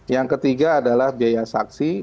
yang ketiga adalah biaya saksi